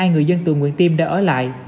năm mươi hai người dân từ nguyễn tiêm đã ở lại